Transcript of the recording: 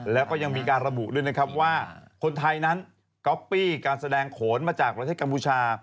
แล้วก็ยังมีการระบุด้วยนะครับว่าคนไทยนั้นก๊อปปี้การแสดงโขนมาจากประเทศกัมพูชา